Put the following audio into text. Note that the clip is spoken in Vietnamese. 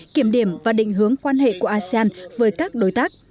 kiểm điểm và định hướng quan hệ của asean với các đối tác